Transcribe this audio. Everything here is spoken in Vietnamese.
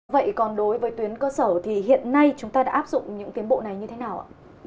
vậy còn đối với tuyến cơ sở thì hiện nay chúng ta đã áp dụng những tiến bộ này như thế nào ạ